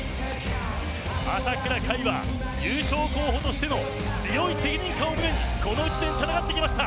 朝倉海は優勝候補としての強い責任感を胸にこの１年、戦ってきました。